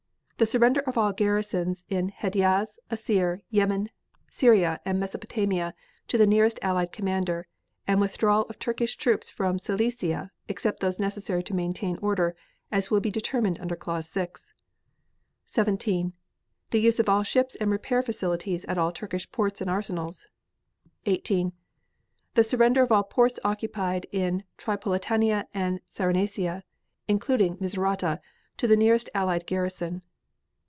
The surrender of all garrisons in Hedjaz, Assir, Yemen, Syria and Mesopotamia to the nearest Allied commander, and withdrawal of Turkish troops from Cilicia, except those necessary to maintain order, as will be determined under Clause 6. 17. The use of all ships and repair facilities at all Turkish ports and arsenals. 18. The surrender of all ports occupied in Tripolitania and Cyrenaica, including Mizurata, to the nearest Allied garrison.